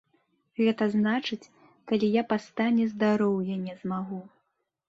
Гэта значыць, калі я па стане здароўя не змагу.